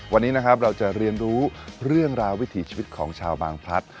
วันนี้นะครับเราจะเรียนรู้เรื่องราววิถีชีวิตของชาวบางพลัด